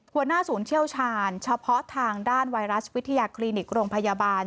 หัวหน้าศูนย์เชี่ยวชาญเฉพาะทางด้านไวรัสวิทยาคลินิกโรงพยาบาล